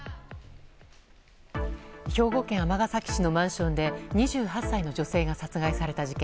兵庫県尼崎市のマンションで２８歳の女性が殺害された事件。